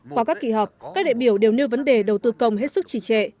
qua các kỳ họp các đại biểu đều nêu vấn đề đầu tư công hết sức trì trệ